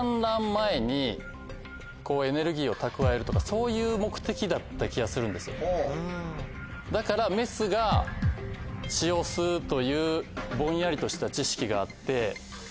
そういう目的だった気がするんですよ。というぼんやりとした知識があって。